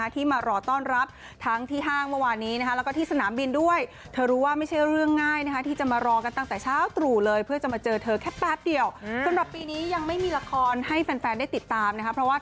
ที่มารอต้อนรับทั้งที่ห้างเมื่อวานี้แล้วก็ที่สนามบินด้วย